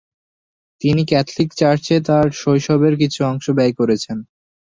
তিনি ক্যাথলিক চার্চে তার শৈশবের কিছু অংশ ব্যয় করেছেন।